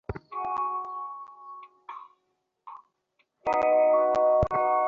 কিন্তু এ-সবই ভুল, প্রকৃতপক্ষে অধিকতর শক্তি রয়েছে আমাদের ভেতরে।